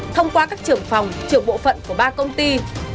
thông qua các trưởng phòng trưởng bộ phận của ba công ty